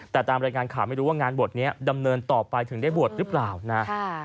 แต่ตามรายงานข่าวไม่รู้ว่างานบวชนี้ดำเนินต่อไปถึงได้บวชหรือเปล่านะ